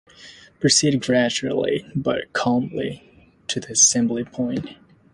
Proceed gradually, but calmly, to the assembly point.